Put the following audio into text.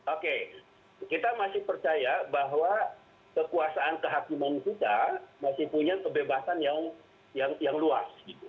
oke kita masih percaya bahwa kekuasaan kehakiman kita masih punya kebebasan yang luas